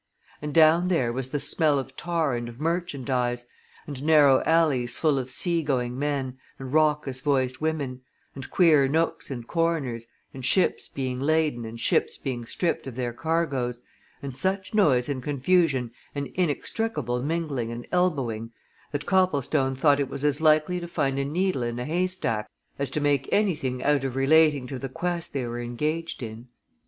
And down there was the smell of tar and of merchandise, and narrow alleys full of sea going men and raucous voiced women, and queer nooks and corners, and ships being laden and ships being stripped of their cargoes and such noise and confusion and inextricable mingling and elbowing that Copplestone thought it was as likely to find a needle in a haystack as to make anything out relating to the quest they were engaged in.